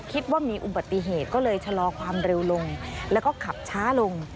คิดว่ามีอุบัติเหตุก็เลยชะลอความเร็วลงแล้วก็ขับช้าลง